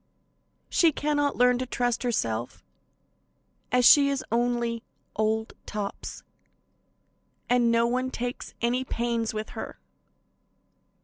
She cannot learn to trust herself, and as she is only "Old Tops," no one takes any pains with her.